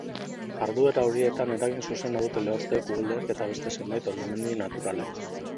Jarduera horietan eragin zuzena dute lehorteek, uholdeek eta beste zenbait hondamendi naturalek.